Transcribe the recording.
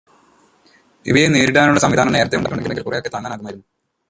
ഇവയെ നേരിടാനുള്ള സംവിധാനം നേരത്തെ ഉണ്ടാക്കിയിട്ടുണ്ടെങ്കിൽ കുറെയൊക്കെ താങ്ങാനാകുമായിരുന്നു.